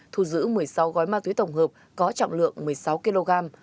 thu giữ một mươi sáu gói ma túy tổng hợp có trọng lượng một mươi sáu kg